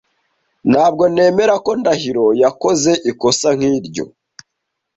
Ntabwo nemera ko Ndahiro yakoze ikosa nkiryo.